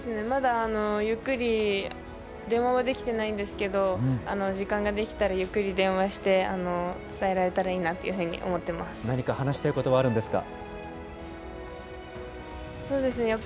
まだ、ゆっくり電話はできていないんですけれども、時間ができたら、ゆっくり電話して伝えられたらいいなという何か話したいことはあるんでそうですね。